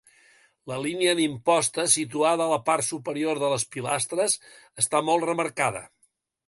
La línia d'imposta, situada a la part superior de les pilastres, està molt remarcada.